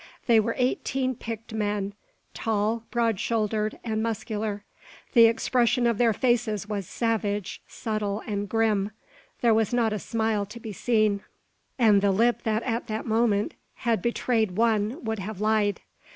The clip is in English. They were eighteen picked men; tall, broad shouldered, and muscular. The expression of their faces was savage, subtle, and grim. There was not a smile to be seen, and the lip that at that moment had betrayed one would have lied.